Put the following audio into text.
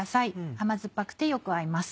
甘酸っぱくてよく合います。